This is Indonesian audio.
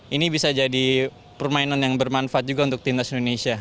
ini bisa jadi permainan yang bermanfaat juga untuk timnas indonesia